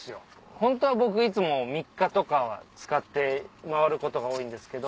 ホントは僕いつも３日とかは使って回ることが多いんですけど。